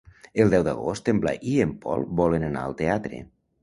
El deu d'agost en Blai i en Pol volen anar al teatre.